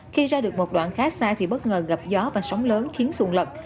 khi ra được một đoạn khá xa thì bất ngờ gặp gió và sóng lớn khiến xuồng lật